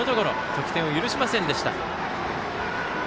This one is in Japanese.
得点を許しませんでした。